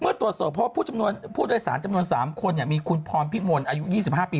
เมื่อตรวจส่งเพราะผู้โดยสารจำนวน๓คนมีคุณพรพิมพลอายุ๒๕ปี